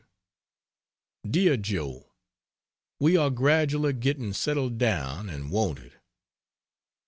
DEAR JOE, We are gradually getting settled down and wonted.